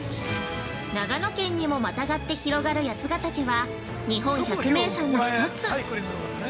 長野県にもまたがって広がる八ヶ岳は、日本百名山の一つ。